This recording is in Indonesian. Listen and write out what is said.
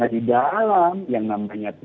di dalam yang namanya